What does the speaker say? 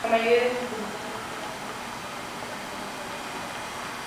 La mayoría de sus publicaciones fueron libros de fotografía con temas sobre su patria.